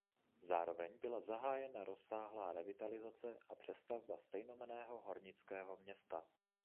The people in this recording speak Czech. Zároveň byla zahájena rozsáhlá revitalizace a přestavba stejnojmenného hornického města.